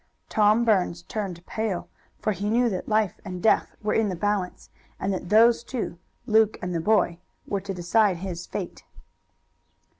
Tom Burns turned pale, for he knew that life and death were in the balance, and that those two Luke and the boy were to decide his fate.